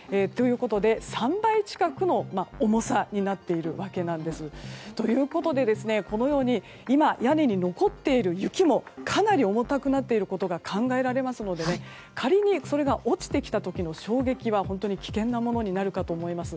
３倍近くの重さになっているわけなんです。ということで、このように今、屋根に残っている雪もかなり重たくなっていることが考えられますので仮にそれが落ちてきた時の衝撃は、本当に危険なものになるかと思います。